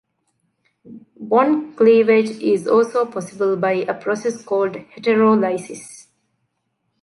Bond cleavage is also possible by a process called heterolysis.